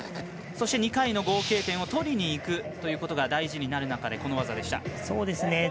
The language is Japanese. そして２回の合計点を取りにいくことが大事になる中でこの技でした。